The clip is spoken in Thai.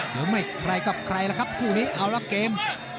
ใจกับใครแล้วครับคู่นี้เอาล่ะเกม